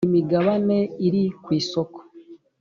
imigabane iri kwisoko .